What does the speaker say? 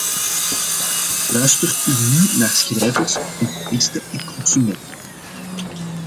Luistert u nu naar schrijvers, componisten en consumenten!